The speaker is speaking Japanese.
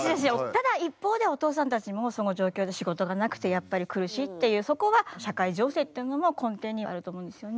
ただ一方でお父さんたちもその状況で仕事がなくてやっぱり苦しいっていうそこは社会情勢っていうのも根底にはあると思うんですよね。